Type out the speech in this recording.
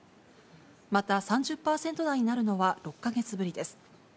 また、３０％台になるのは６か月ぶりです。